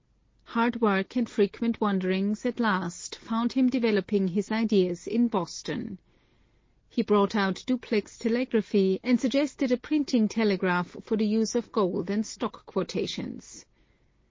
Hard work and frequent wanderings at last found him developing his ideas in Boston. He brought out duplex telegraphy and suggested a printing telegraph for the use of gold and stock quotations.